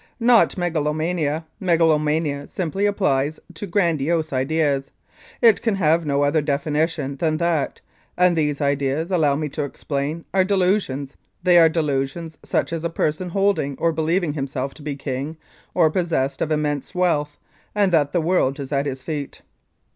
Not megalomania. Megalomania simply applies to grandiose ideas. It can have no other definition than that, and these ideas, allow me to explain, are delusions ; they are delusions such as a person holding or believing himself to be a king, or possessed of immense wealth, and that the world is at his feet.